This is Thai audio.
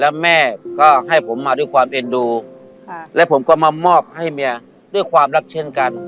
แล้วแม่ก็ให้ผมมาด้วยความเอ็นดูและผมก็มามอบให้เมียด้วยความรักเช่นกัน